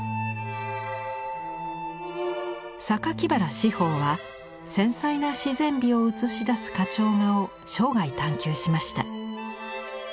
原紫峰は繊細な自然美を写し出す花鳥画を生涯探求しました。